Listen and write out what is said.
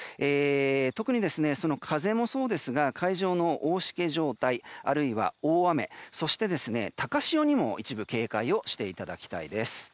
特に、その風もそうですが海上の大しけ状態あるいは大雨、そして高潮にも一部、警戒をしていただきたいです。